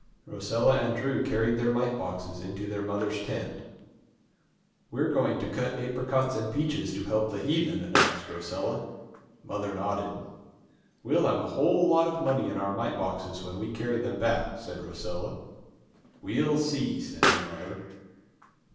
Rosella and Drew carried their mite boxes into their mother's tent. "We're going to cut apricots and peaches to help the heathen!" announced Rosella. Mother nodded. "We'll have a whole lot of money in our mite boxes when we carry them back," said Rosella. "We'll see," said mother.